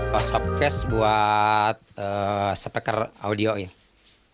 pasok kes buat sepiker audio ini